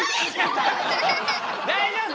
大丈夫！